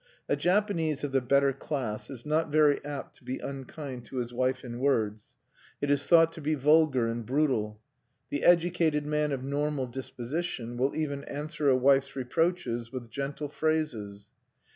A Japanese of the better class is not very apt to be unkind to his wife in words. It is thought to be vulgar and brutal. The educated man of normal disposition will even answer a wife's reproaches with gentle phrases.